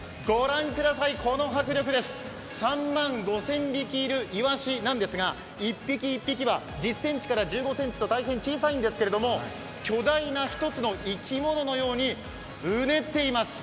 この迫力です、３万５０００匹いるイワシなんですが、１匹、１匹は１０ｃｍから１５ｃｍととても小さいんですけども巨大な１つの生き物のようにうねっています。